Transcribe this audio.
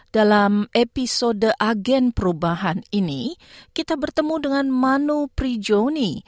dalam episode agen perubahan ini kita bertemu dengan mano prijone